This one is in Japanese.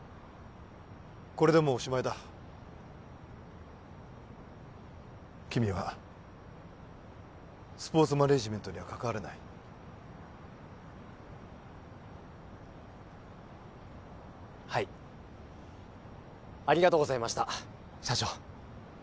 これでもうおしまいだ君はスポーツマネージメントには関われないはいありがとうございました社長